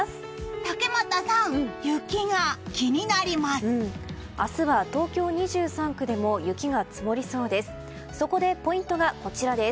竹俣さん、雪が気になります。